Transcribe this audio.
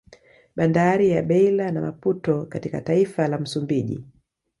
Bandari ya Beila na Maputo katka taifa la Msumbiji